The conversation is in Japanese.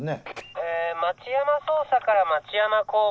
え町山捜査から町山交番。